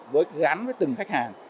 với gắn với từng khách hàng